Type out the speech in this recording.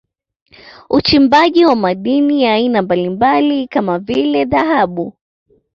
Uchimbaji wa madini ya aina mbalimbali kama vile Dhahabu